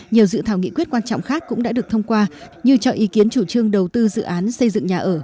nhiều dự thảo nghị quyết quan trọng khác cũng đã được thông qua như cho ý kiến chủ trương đầu tư dự án xây dựng nhà ở